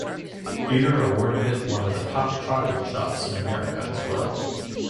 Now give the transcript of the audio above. Eater awarded it one of the top chocolate shops in America as well.